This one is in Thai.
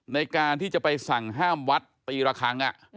ในการที่จะไปสั่งห้ามวัดตีละครั้ง